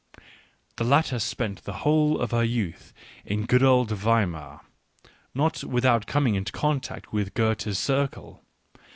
The latter spent the whole of her youth in good old Weimar, not without coming into contact with Goethe's circle.